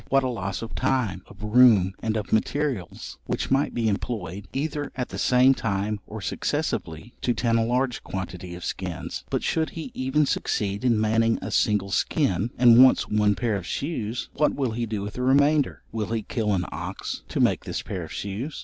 What a loss of time, of room, and of materials, which might be employed, either at the same time or successively, to tan a large quantity of skins! But should he even succeed in manning a single skin, and wants one pair of shoes, what will he do with the remainder? Will he kill an ox to make this pair of shoes?